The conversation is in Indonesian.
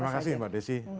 terima kasih mbak desi